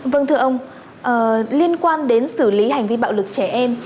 vâng thưa ông liên quan đến xử lý hành vi bạo lực trẻ em